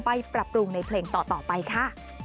ปรับปรุงในเพลงต่อไปค่ะ